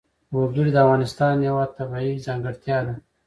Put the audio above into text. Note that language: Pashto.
وګړي د افغانستان یوه طبیعي ځانګړتیا ده.